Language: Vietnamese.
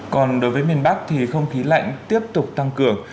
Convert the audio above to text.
còn đối với miền bắc thì không khí lạnh tiếp tục tăng cường